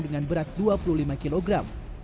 dengan berat dua puluh lima kilogram